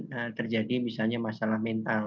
dan beberapa laporan terjadi misalnya masalah mental